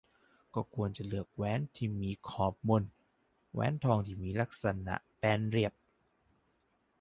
ก็ควรจะเลือกแหวนที่มีขอบมน แหวนทองที่มีลักษณะแบนเรียบ